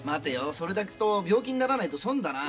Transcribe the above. それだけ聞くと病気にならないと損だなあ。